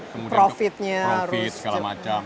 profitnya harus profit segala macam